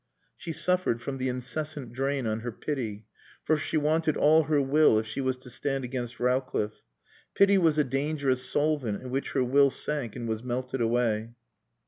She suffered from the incessant drain on her pity; for she wanted all her will if she was to stand against Rowcliffe. Pity was a dangerous solvent in which her will sank and was melted away.